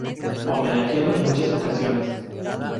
Homenajeado en muchas ocasiones.